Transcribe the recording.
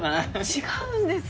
違うんです！